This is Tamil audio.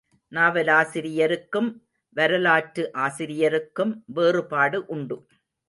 நாவலாசிரியருக்கும், வரலாற்று ஆசிரியருக்கும் வேறுபாடு உண்டு.